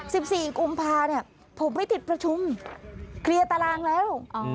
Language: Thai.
สิบสี่กุมภาเนี่ยผมไม่ติดประชุมเคลียร์ตารางแล้วอ๋อ